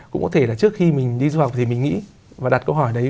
cũng có thể là trước khi mình đi du học thì mình nghĩ và đặt câu hỏi đấy